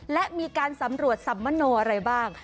และมีการสำรวจสัมมโนอะไรบ้าง